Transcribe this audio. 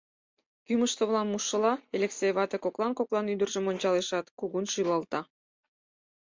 Кӱмыж-совлам мушшыла, Элексей вате коклан-коклан ӱдыржым ончалешат, кугун шӱлалта.